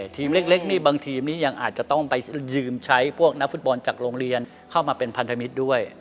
ทีมเล็กนี่บางทีมนี้ยังอาจจะต้องไปยืมใช้พวกนักฟุตบอลจากโรงเรียนเข้ามาเป็นพันธมิตรด้วย